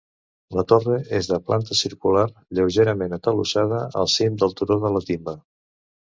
La torre és de planta circular lleugerament atalussada al cim del turó de la timba.